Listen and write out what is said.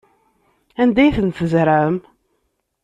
Anda ay ten-tzerɛem?